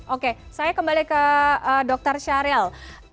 oke saya kembali ke dr syariel